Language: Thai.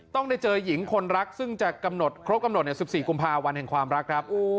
ต้องได้เจอหญิงคนรักซึ่งจะกำหนดครบกำหนดใน๑๔กุมภาวันแห่งความรักครับ